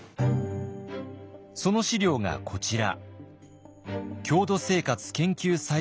その資料がこちら。